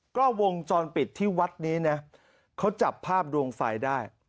ก็วงจรปิดที่วัฒน์นี้นะเขาจับภาพดวงฟายได้